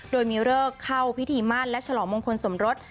โดยมีเลิกเข้าพิธีมั่นและฉลองมงคลสมรส